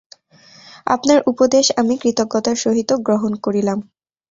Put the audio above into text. আপনার উপদেশ আমি কৃতজ্ঞতার সহিত গ্রহণ করিলাম।